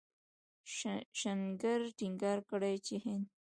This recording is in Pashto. شنکر ټينګار کړی چې هند